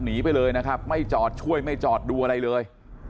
หนีไปเลยนะครับไม่จอดช่วยไม่จอดดูอะไรเลย